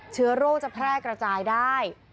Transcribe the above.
เชื้อโรคจะแพร่กระจายได้